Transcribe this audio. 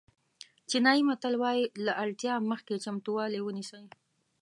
چینایي متل وایي له اړتیا مخکې چمتووالی ونیسئ.